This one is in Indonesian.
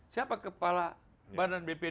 siapa kepala badan bp dua mi